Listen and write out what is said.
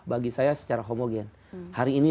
bagi saya secara homogen hari ini